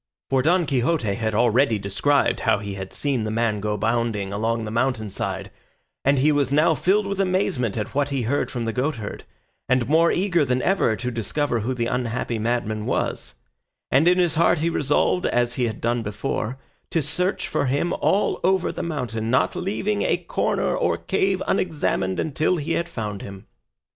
For Don Quixote had already described how he had seen the man go bounding along the mountain side, and he was now filled with amazement at what he heard from the goatherd, and more eager than ever to discover who the unhappy madman was; and in his heart he resolved, as he had done before, to search for him all over the mountain, not leaving a corner or cave unexamined until he had found him.